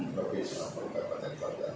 provinsi maupun kabupaten kota